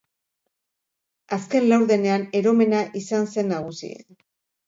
Azken laurdenean eromena izan zen nagusi.